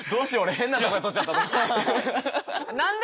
変なとこで撮っちゃった。